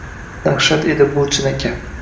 Dahshat edi bu chinakam